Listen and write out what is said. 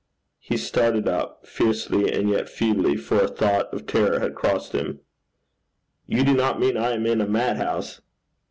He started up fiercely and yet feebly, for a thought of terror had crossed him. 'You do not mean I am in a madhouse?'